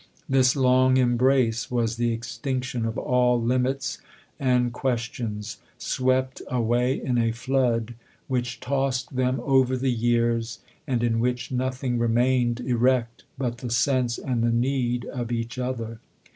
This long embrace was the extinction of all limits and questions swept away in a flood which tossed them over the years and in which nothing remained erect but the sense and the need of each other.